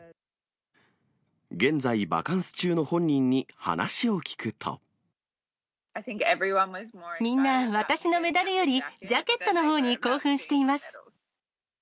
現在、みんな、私のメダルより、ジャケットのほうに興奮しています。